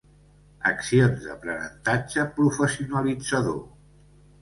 Accions d'aprenentatge professionalitzador.